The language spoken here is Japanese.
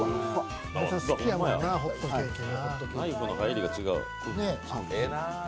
ナイフの入りが違う。